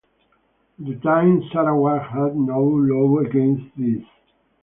At the time Sarawak had no law against this.